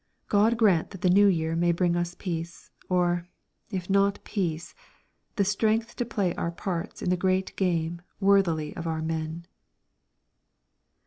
God grant that the New Year may bring us Peace, or, if not Peace, the strength to play our parts in the great game worthily of our men!